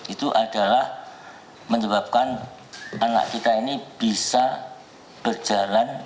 itu adalah menyebabkan anak kita ini bisa berjalan